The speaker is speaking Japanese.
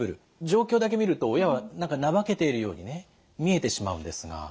状況だけ見ると親は何か怠けているようにね見えてしまうんですが。